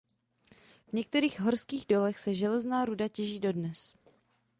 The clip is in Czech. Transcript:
V některých horských dolech se železná ruda těží dodnes.